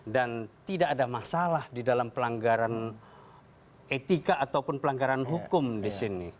dan tidak ada masalah di dalam pelanggaran etika ataupun pelanggaran hukum di sini